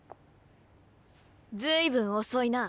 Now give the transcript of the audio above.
随分遅いな。